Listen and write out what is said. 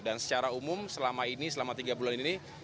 dan secara umum selama ini selama tiga bulan ini